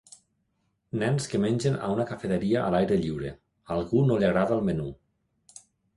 Nens que mengen a una cafeteria a l'aire lliure; a algú no li agrada el menú.